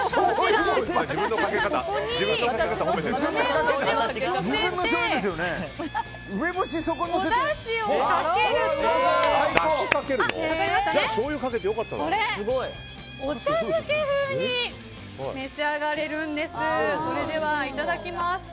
それでは、いただきます。